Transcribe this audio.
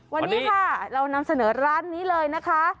วันนี้ค่ะเรานำเสนอร้านนี้เลยนะคะ